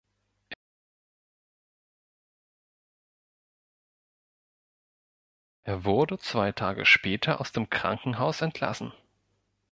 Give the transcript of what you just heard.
Er wurde zwei Tage später aus dem Krankenhaus entlassen.